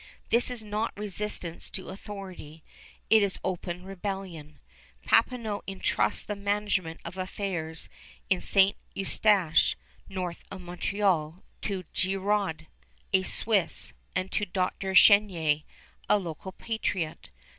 This is not resistance to authority. It is open rebellion. Papineau intrusts the management of affairs in St. Eustache, north of Montreal, to Girod, a Swiss, and to Dr. Chenier, a local patriot.